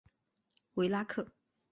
维拉克。